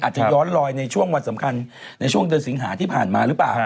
จะย้อนลอยในช่วงวันสำคัญในช่วงเดือนสิงหาที่ผ่านมาหรือเปล่า